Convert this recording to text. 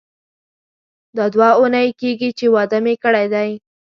دا دوه اونۍ کیږي چې واده مې کړی دی.